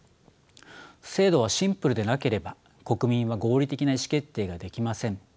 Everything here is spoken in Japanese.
制度はシンプルでなければ国民は合理的な意思決定ができません。